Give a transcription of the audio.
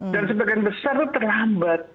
dan sebagian besar itu terlambat